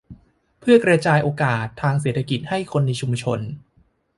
เพื่อกระจายโอกาสทางเศรษฐกิจให้คนในชุมชน